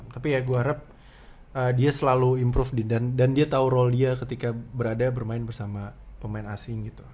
tapi ya gue harap dia selalu improve dan dia tahu role dia ketika berada bermain bersama pemain asing gitu